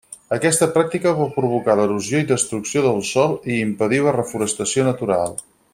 Aquesta pràctica pot provocar l'erosió i destrucció del sòl i impedir la reforestació natural.